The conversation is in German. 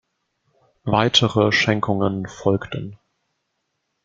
Weitere Schenkungen folgten.